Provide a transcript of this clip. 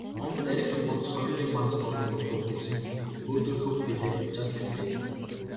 Гомбо нарийхан гудас хоймрын банзан орны урдуур дэвсэн пөөдгөр хөх дээлээрээ хучаад хэвтлээ.